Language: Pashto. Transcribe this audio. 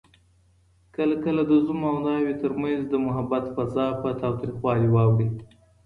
کله کله د زوم او ناوي تر منځ د محبت فضا په تاوتريخوالي واوړي